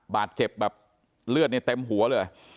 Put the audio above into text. บาดเจ็บแบบเลือดเนี่ยเต็มหัวเลย